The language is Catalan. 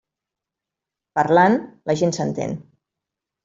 Parlant, la gent s'entén.